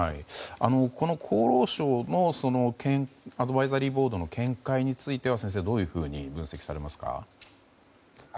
この厚労省のアドバイザリーボードの見解については先生、どういうふうに分析されますか？